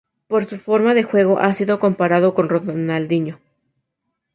Por su forma de juego ha sido comparado con Ronaldinho.